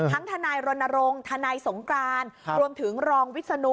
ทนายรณรงค์ทนายสงกรานรวมถึงรองวิศนุ